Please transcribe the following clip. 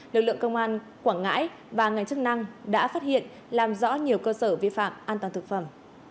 lực lượng công an quảng ngãi và ngành chức năng đã phát hiện làm rõ nhiều cơ sở vi phạm an toàn thực phẩm